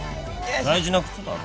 大事な靴だろ